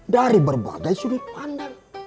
dari berbagai sudut pandang